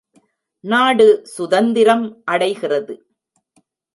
நாடு சுதந்திரம் அடைகிறது.